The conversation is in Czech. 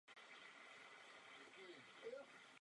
Z toho důvodu musel Tlustého ihned odvolat.